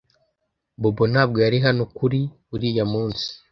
Bobo ntabwo yari hano kuri uriya munsi